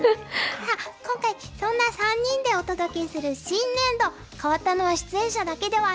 あっ今回そんな３人でお届けする新年度変わったのは出演者だけではありません。